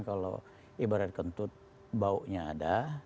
kalau ibarat kentut baunya ada